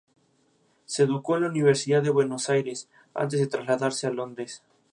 Se educó en la Universidad de Buenos Aires, antes de trasladarse a Londres.